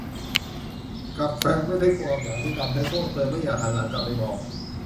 กลับแฝงไปด้วยความหลังที่ทำให้พวกเธอไม่อยากหันหลังกลับไปมอง